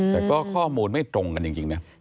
แต่ก็ข้อมูลไม่ตรงกันจริงนะ